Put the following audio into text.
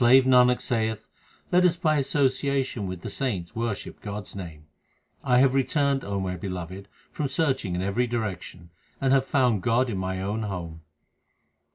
344 THE SIKH RELIGION The slave Nanak saith let us by association with the saints worship God s name. I have returned, O my beloved, from searching in every direction ; and have found God in my own home.